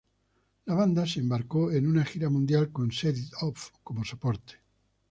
La banda se embarcó en una gira mundial con Set It Off como soporte.